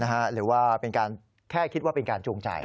หรือว่าเป็นการแค่คิดว่าเป็นการจูงใจ